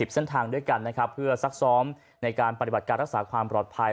เส้นทางด้วยกันนะครับเพื่อซักซ้อมในการปฏิบัติการรักษาความปลอดภัย